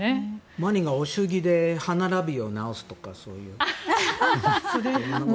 ワニがご祝儀で歯並びを治すとかそういう。